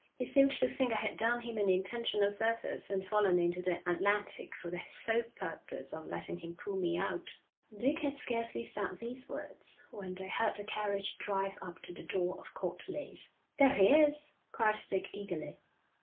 He seemed to think I had done him an intentional service, and fallen into the Atlantic for the sole purpose of letting him pull me out.' Dick had scarcely said these words when they heard the carriage drive up to the door of Court Leys. 'There he is,' cried Dick eagerly. Mrs.